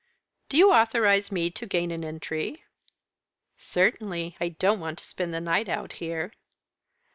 "Do you authorise me to gain an entry?" "Certainly. I don't want to spend the night out here."